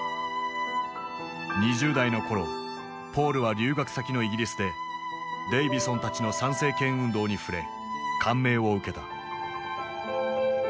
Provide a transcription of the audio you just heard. ２０代の頃ポールは留学先のイギリスでデイヴィソンたちの参政権運動に触れ感銘を受けた。